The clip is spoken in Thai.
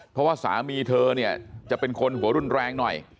เพราะว่าสามีเธอเนี่ยจะเป็นคนหัวรุนแรงหน่อย